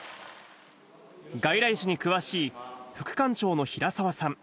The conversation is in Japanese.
外来種に詳しい副館長の平澤さん。